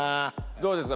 どうですか？